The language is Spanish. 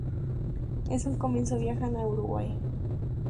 En un comienzo, viajan a Uruguay.